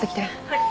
はい。